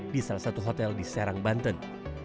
di salah satu hotel di serang banten